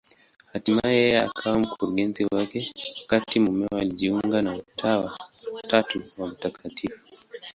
Hatimaye yeye akawa mkurugenzi wake, wakati mumewe alijiunga na Utawa wa Tatu wa Mt.